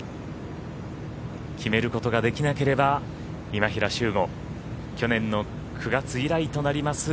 決めることができなければ今平周吾去年の９月以来となります